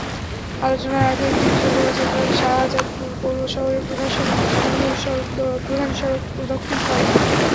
আলোচনার আগে একটি বিশাল শোভাযাত্রা শাহজাদপুর পৌর শহরের প্রধান প্রধান সড়ক প্রদক্ষিণ করে।